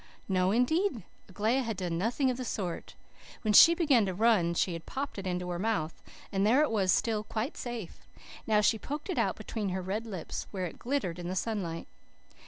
"No, indeed! Aglaia had done nothing of the sort. When she began to run, she had popped it into her mouth, and there it was still, quite safe. Now she poked it out between her red lips, where it glittered in the sunlight.